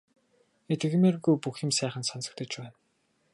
Итгэмээргүй бүх юм сайхан сонсогдож байна.